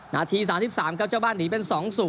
นาที๓๓ครับเจ้าบ้านหนีเป็น๒๐